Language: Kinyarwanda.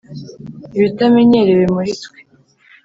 ibitamenyerewe muri twe.